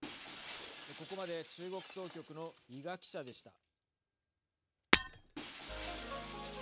ここまで中国総局の伊賀記者でした。